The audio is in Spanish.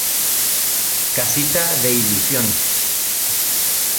Casita De Ilusión